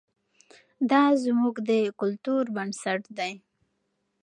دا زموږ د کلتور بنسټ دی.